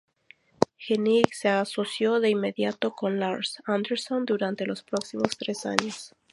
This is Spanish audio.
Hennig se asoció de inmediato con Lars Anderson durante los próximos tres años.